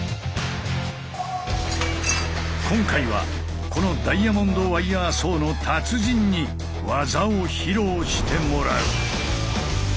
今回はこのダイヤモンドワイヤーソーの達人に技を披露してもらう！